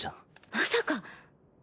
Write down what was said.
まさか！？